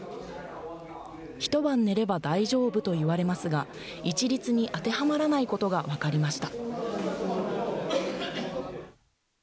一晩寝れば大丈夫と言われますが一律に当てはまらないことが分かりました。